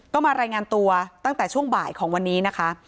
ก็มารายงานตัวตั้งแต่ช่วงบ่ายของวันนี้นะคะ